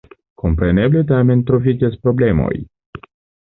Kompreneble tamen troviĝas problemoj.